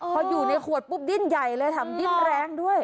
พออยู่ในขวดปุ๊บดิ้นใหญ่เลยแถมดิ้นแรงด้วย